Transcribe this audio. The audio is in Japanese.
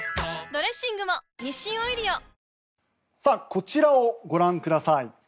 こちらをご覧ください。